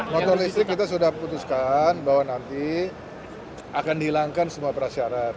motor listrik kita sudah putuskan bahwa nanti akan dihilangkan semua prasyarat